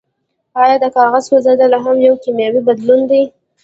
ایا د کاغذ سوځیدل هم یو کیمیاوي بدلون دی